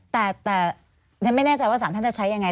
แต่แต่ท่านไม่แน่ใจว่าสารท่านจะใช้อย่างไร